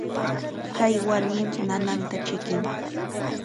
Kay warmim nananta chikin.